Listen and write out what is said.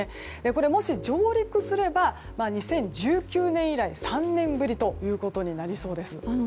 これ、もし上陸すれば２０１９年以来３年ぶりということになりそうです。